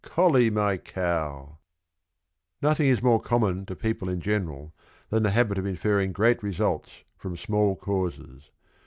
Colly my cowl" Nothing is more common to people in general than the habit of inferring great results from small causes.